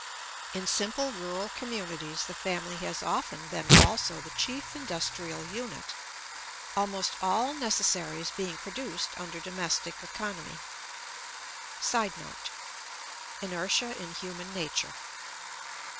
In simple rural communities the family has often been also the chief industrial unit, almost all necessaries being produced under domestic economy. [Sidenote: Inertia in human nature.